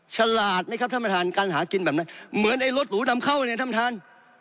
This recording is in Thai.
ฉลาดไหมครับท่านประธานการหากินแบบนั้นเหมือนไอ้รถหรูนำเข้าเนี่ยท่านท่าน